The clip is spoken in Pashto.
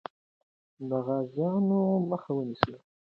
د غازیانو مخه ونیسه.